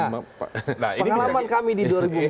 pengalaman kami di dua ribu empat belas